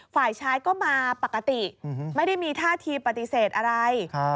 ฝ่ายชายก็มาปกติไม่ได้มีท่าทีปฏิเสธอะไร